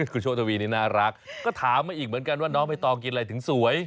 คือโชคทวีนี่น่ารักก็ถามมาอีกเหมือนกันว่าน้องใบตองกินอะไรถึงสวย